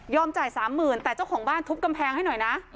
จ่ายสามหมื่นแต่เจ้าของบ้านทุบกำแพงให้หน่อยนะ